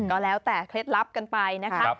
ก็แล้วแต่เคล็ดลับกันไปนะคะ